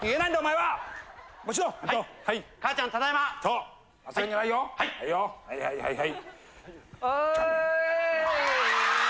はいはいはいはい。